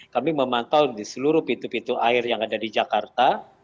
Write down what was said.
kami memantau di seluruh pintu pintu air yang ada di jakarta